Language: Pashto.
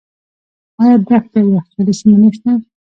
آیا دښتې او یخچالي سیمې نشته؟